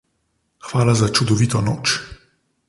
Hvala za čudovito noč.